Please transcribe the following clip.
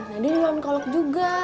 nah dia mau makan kolek juga